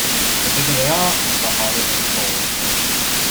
The bigger they are the harder they fall.